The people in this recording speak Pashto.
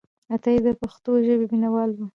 عطایي د پښتو ژبې مینهوال و.